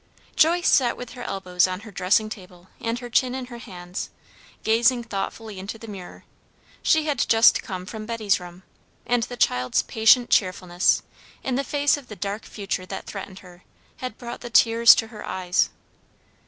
Joyce sat with her elbows on her dressing table and her chin in her hands, gazing thoughtfully into the mirror. She had just come from Betty's room, and the child's patient cheerfulness, in the face of the dark future that threatened her, had brought the tears to her eyes.